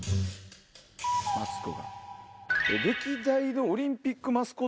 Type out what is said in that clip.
マツコが。